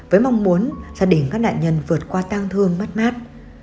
với mong muốn gia đình các nạn nhân vượt qua tang thương mất mát